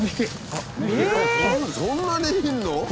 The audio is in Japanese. そんなにいるの？